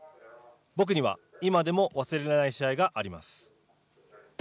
僕には今でも忘れられない試合があります。